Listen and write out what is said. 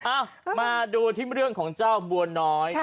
เอ้ามาดูที่เรื่องของเจ้าบัวน้อย